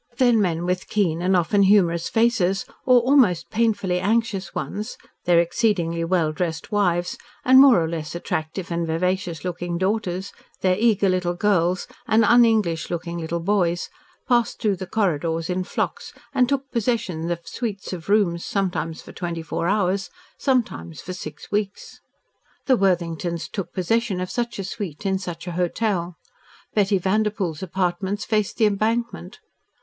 Then men with keen, and often humorous faces or almost painfully anxious ones, their exceedingly well dressed wives, and more or less attractive and vivacious looking daughters, their eager little girls, and un English looking little boys, passed through the corridors in flocks and took possession of suites of rooms, sometimes for twenty four hours, sometimes for six weeks. The Worthingtons took possession of such a suite in such a hotel. Bettina Vanderpoel's apartments faced the Embankment.